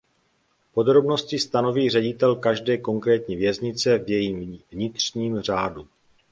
Podrobnosti stanoví ředitel každé konkrétní věznice v jejím vnitřním řádu.